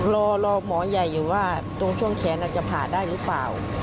รอหมอใหญ่อยู่ว่าตรงช่วงแขนอาจจะผ่าได้หรือเปล่า